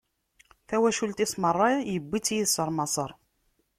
Tawacult-is meṛṛa, iwwi-tt yid-s ɣer Maṣer.